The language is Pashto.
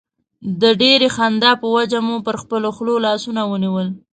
د ډېرې خندا په وجه مو پر خپلو خولو لاسونه ونیول.